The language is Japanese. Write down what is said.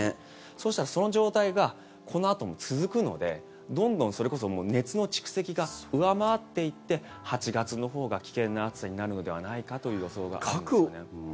そうしたら、その状態がこのあとも続くのでどんどん、それこそ熱の蓄積が上回っていって８月のほうが危険な暑さになるのではないかという予想があるんですよね。